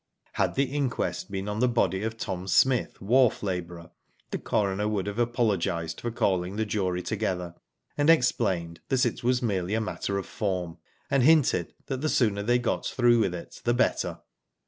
Had the inquest been on the body of Tom Smith, wharf labourer, the coroner would have Digitized byGoogk NO TRACE, 25 apologised for calling the jury together, and explained that it was merely a matter of form, and hinted that the sooner they got through with it the better.